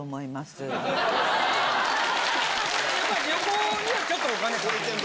やっぱり旅行にはちょっとお金使ってる。